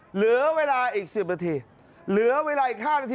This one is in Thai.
เหลือเวลาอีก๑๐นาทีเหลือเวลาอีก๕นาที